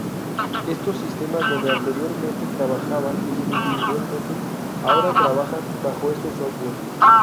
Estos sistemas donde anteriormente trabajaban individualmente ahora trabajan bajo este software.